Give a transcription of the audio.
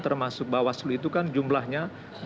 termasuk bawaslu itu kan jumlahnya